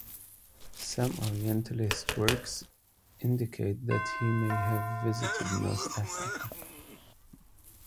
Some Orientalist works indicate that he may have visited North Africa.